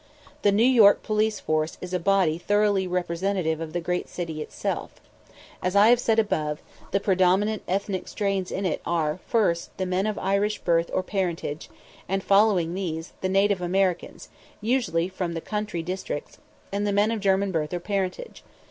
The New York police force is a body thoroughly representative of the great city itself. As I have said above, the predominant ethnic strains in it are, first, the men of Irish birth or parentage, and, following these, the native Americans, usually from the country districts, and the men of German birth or parentage.